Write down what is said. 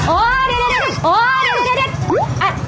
โอ๊ยเดชโอ๊ยเดช